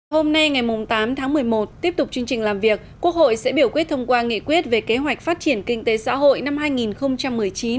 hôm nay ngày tám tháng một mươi một tiếp tục chương trình làm việc quốc hội sẽ biểu quyết thông qua nghị quyết về kế hoạch phát triển kinh tế xã hội năm hai nghìn một mươi chín